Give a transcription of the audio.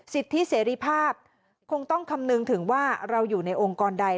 สิทธิเสรีภาพคงต้องคำนึงถึงว่าเราอยู่ในองค์กรใด